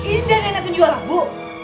ini nenek penjualan bu